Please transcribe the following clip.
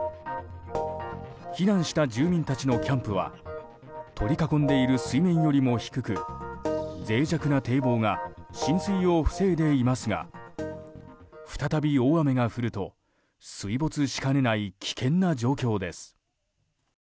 避難した住民たちのキャンプは取り囲んでいる水面よりも低く脆弱な堤防が浸水を防いでいますが再び大雨が降ると水没しかねない危険な状況です。